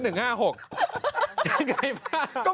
ยังไงป้า